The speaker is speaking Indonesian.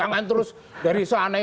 jangan terus dari sana itu gelondongan